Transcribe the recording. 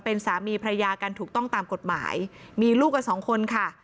เป็นสามีภรรยากันถูกต้องตามกฎหมายมีลูกกันสองคนค่ะ